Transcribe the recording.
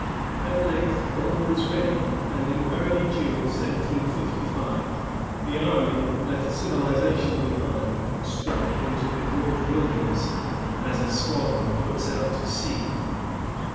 All at length was ready, and early in June, 1755, the army left civilization behind, and struck into the broad wilderness as a squadron puts out to sea.